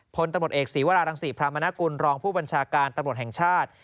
พลตำรวจเอกศีวรารังศรีพรามนกุลรองผู้บัญชาการตำรวจแห่งชาติ